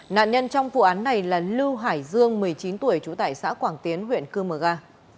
nạn nhân trong vụ án này là lưu hải dương một mươi chín tuổi trú tại xã quảng tiến huyện cư mờ ga